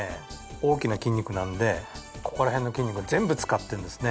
大きな筋肉なんでここら辺の筋肉を全部使ってるんですね。